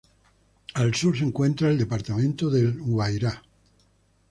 Al sur se encuentra el departamento del Guairá.